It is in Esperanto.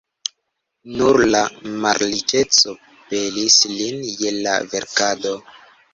Nur la malriĉeco pelis lin je la verkado.